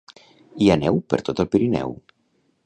Hi ha neu per tot el Pirineu.